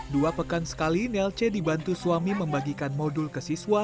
dua pekan sekali nelce dibantu suami membagikan modul ke siswa